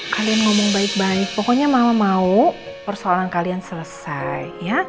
kalian ngomong baik baik pokoknya mama mau persoalan kalian selesai ya